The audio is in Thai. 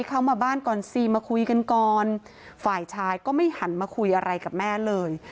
เข้ามาบ้านก่อนสิมาคุยกันก่อนฝ่ายชายก็ไม่หันมาคุยอะไรกับแม่เลย